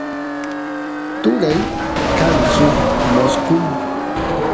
turay kan suk mosqolu